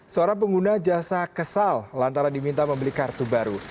seorang pengguna jasa kesal lantaran diminta membeli kartu baru